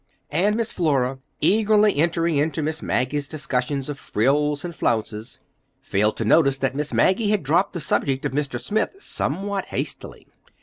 And Miss Flora, eagerly entering into Miss Maggie's discussion of frills and flounces, failed to notice that Miss Maggie had dropped the subject of Mr. Smith somewhat hastily.